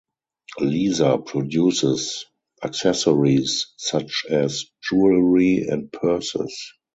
Lisa produces accessories such as jewelry and purses.